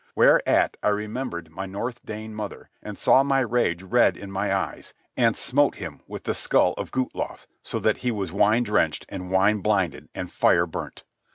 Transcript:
Whereat I remembered my North Dane mother, and saw my rage red in my eyes, and smote him with the skull of Guthlaf, so that he was wine drenched, and wine blinded, and fire burnt.